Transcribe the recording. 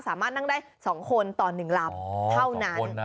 สามารถนั่งได้๒คนต่อ๑ลำเท่านั้น